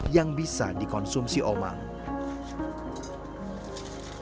yang bisa dikonsumsi oleh omangnya